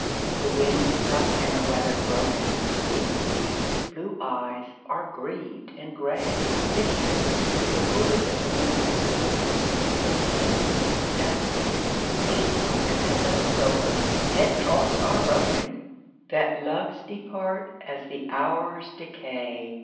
The wind is up, and the weather broken, Blue seas, blue eyes, are grieved and grey, Listen, the word that the wind has spoken, Listen, the sound of the sea,—a token That summer's over, and troths are broken,— That loves depart as the hours decay.